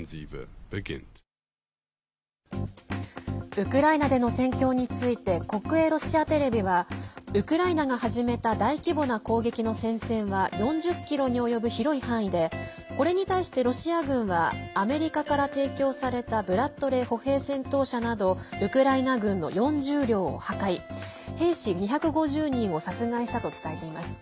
ウクライナでの戦況について国営ロシアテレビはウクライナが始めた大規模な攻撃の戦線は４０ｋｍに及ぶ広い範囲でこれに対してロシア軍はアメリカから提供されたブラッドレー歩兵戦闘車などウクライナ軍の４０両を破壊兵士２５０人を殺害したと伝えています。